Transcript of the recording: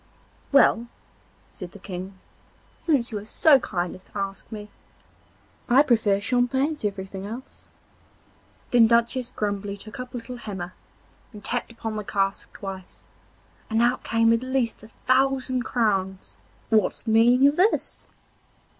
'Well,' said the King, 'since you are so kind as to ask me, I prefer champagne to anything else.' Then Duchess Grumbly took up a little hammer and tapped upon the cask twice, and out came at least a thousand crowns. 'What's the meaning of this?